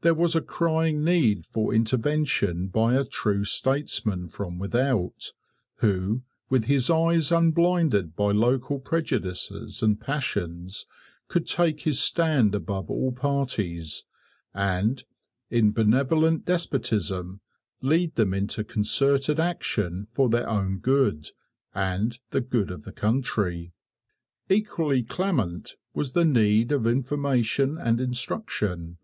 There was a crying need for intervention by a true statesman from without, who, with his eyes unblinded by local prejudices and passions, could take his stand above all parties, and, in benevolent despotism, lead them into concerted action for their own good and the good of the country. Equally clamant was the need of information and instruction.